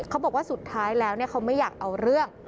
เขาบอกว่าสุดท้ายแล้วเขาไม่อยากเอาเรื่อง